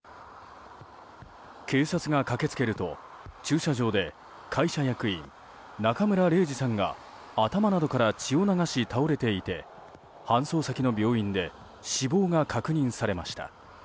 警察が駆けつけると駐車場で会社役員、中村礼治さんが頭などから血を流し倒れていて搬送先の病院で死亡が確認されました。